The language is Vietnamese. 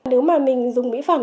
nếu mà mình dùng mỹ phẩm